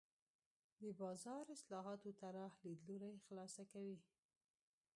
د بازار اصلاحاتو طراح لیدلوری خلاصه کوي.